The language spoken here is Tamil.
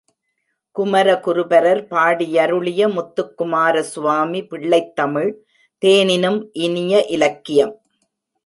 குமரகுருபரர் பாடியருளிய முத்துக் குமாரசுவாமி பிள்ளைத் தமிழ் தேனினும் இனிய இலக்கியம்.